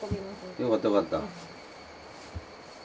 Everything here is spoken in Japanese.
よかったよかった。